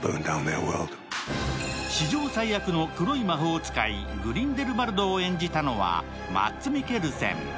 史上最悪の黒い魔法使い、グリンデルバルドを演じたのは、マッツ・ミケルセン。